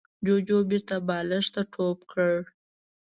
جوجو بېرته بالښت ته ټوپ کړ.